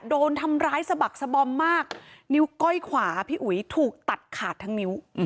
โดนทำร้ายสะบักสะบอมมากนิ้วก้อยขวาพี่อุ๋ยถูกตัดขาดทั้งนิ้ว